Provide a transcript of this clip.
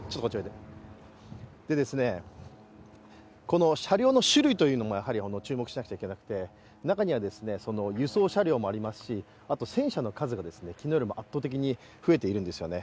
この車両の種類というのが注目しなければいけなくて、中には輸送車両もありますし戦車の数が昨日よりも圧倒的に増えているんですよね。